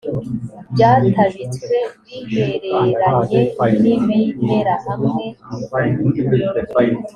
byatabitswe bihereranye n ibimera hamwe